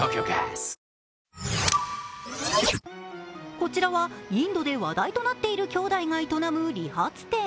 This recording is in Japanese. こちらはインドで話題となっている兄弟が営む理髪店。